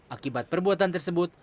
akibat perbuatan tersebut